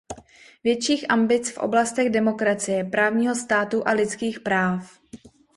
Větších ambic v oblastech demokracie, právního státu a lidských práv.